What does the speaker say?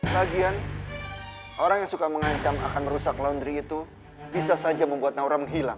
kagian orang yang suka mengancam akan merusak laundry itu bisa saja membuat naura menghilang